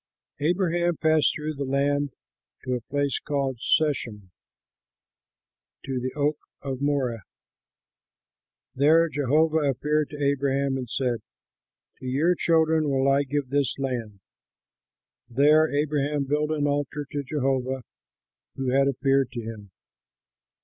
Abraham passed through the land to a place called Shechem, to the oak of Moreh. There Jehovah appeared to Abraham and said, "To your children will I give this land." There Abraham built an altar to Jehovah who had appeared to him.